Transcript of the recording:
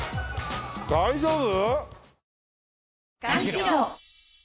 大丈夫？